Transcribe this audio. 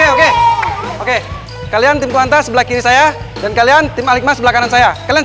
oke oke kalian tim kuanta sebelah kiri saya dan kalian tim aligma sebelah kanan saya kalian